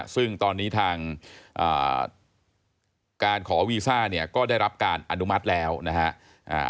ซึ่งตอนนี้ทางการขอวีซ่าเนี่ยก็ได้รับการอนุมัติแล้วนะฮะ